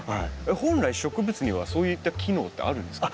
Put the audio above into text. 本来植物にはそういった機能ってあるんですか？